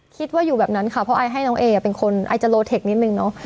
คิดว่าอยู่แบบนั้นค่ะเพราะไอให้น้องเอเป็นคนไอจะโลเทคนิดนึงเนาะ